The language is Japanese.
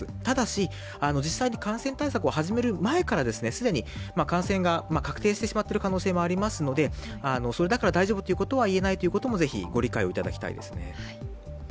ただし、実際に感染対策を始める前から既に感染が確定してしまっている可能性もありますので、それだから大丈夫だということぜひご理解をいただきたいですね。